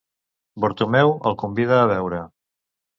Bartomeu el convida a beure.